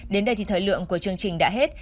đến đây thì thời lượng của chương trình đã hết